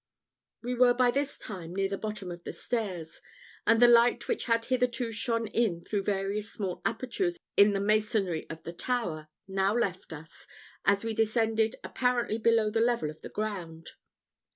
We were by this time near the bottom of the stairs, and the light which had hitherto shone in through various small apertures in the masonry of the tower, now left us, as we descended apparently below the level of the ground.